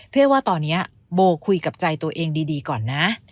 เพื่อว่าตอนนี้โบคุยกับใจตัวเองดีก่อนนะ